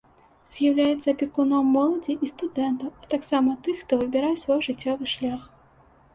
З'яўляецца апекуном моладзі і студэнтаў, а таксама тых, хто выбірае свой жыццёвы шлях.